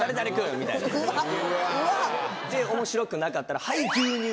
みたいな。で面白くなかったら。